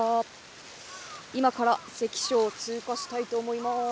今から関所を通過したいと思います。